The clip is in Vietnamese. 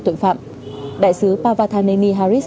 tội phạm đại sứ pavathaneni haris